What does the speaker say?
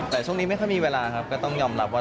แต่ช่วงนี้ไม่ค่อยมีเวลาครับก็ต้องยอมรับว่า